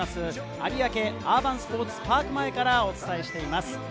有明アーバンスポーツパーク前からお伝えしています。